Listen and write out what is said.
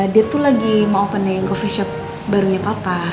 dia tuh lagi mau opening coffee shop barunya papa